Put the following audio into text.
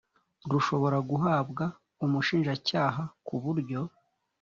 rushobora guhabwa umushinjacyaha ku buryo